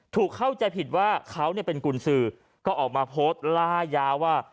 เข้าใจผิดว่าเขาเป็นกุญสือก็ออกมาโพสต์ล่ายาวว่า